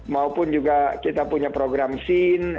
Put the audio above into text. maupun juga kita punya program scene